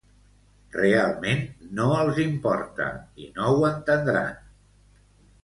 Realment no els importa i no ho entendran.